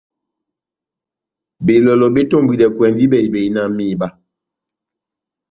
Belɔlɔ betombwidɛkwɛndi bɛhi-bɛhi na mihiba.